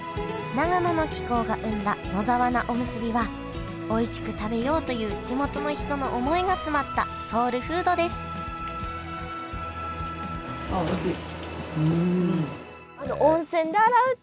長野の気候が生んだ野沢菜おむすびはおいしく食べようという地元の人の思いが詰まったソウルフードですいい！